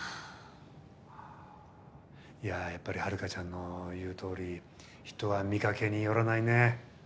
いややっぱりハルカちゃんの言うとおり人は見かけによらないね。